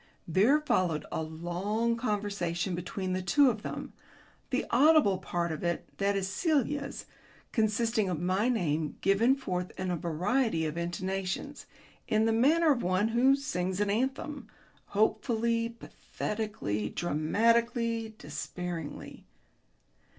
There followed a long conversation between the two of them, the audible part of it (that is Celia's) consisting of my name given forth in a variety of intonations, in the manner of one who sings an anthem hopefully, pathetically, dramatically, despairingly.